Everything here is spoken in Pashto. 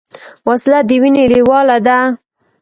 وسله د وینې لیواله ده